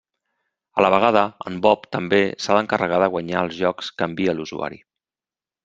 A la vegada, en Bob també s'ha d'encarregar de guanyar els jocs que envia l'usuari.